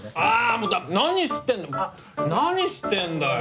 もう何してんの何してんだよ！